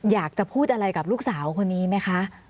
อยากจะพูดอะไรกับลูกสาวคนนี้ไหมคะ